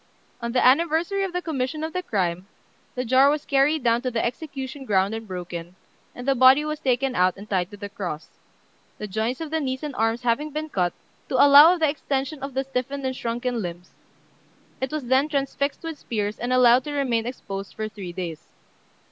On the anniversary of the commission of the crime, the jar was carried down to the execution ground and broken, and the body was taken out and tied to the cross, the joints of the knees and arms having been cut, to allow of the extension of the stiffened and shrunken limbs; it was then transfixed with spears, and allowed to remain exposed for three days.